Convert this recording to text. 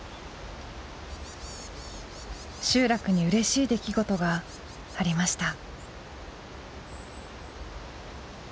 集落にうれしい出来事がありました。